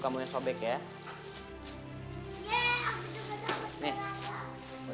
dapat seragam baru